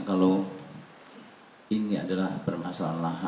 kalau ini adalah permasalahan lahan